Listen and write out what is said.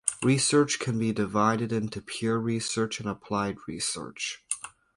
Research can also be divided into pure research and applied research.